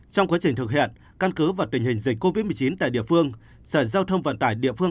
trong quá trình thực hiện căn cứ và tình hình dịch covid một mươi chín tại địa phương sở giao thông vận tải địa phương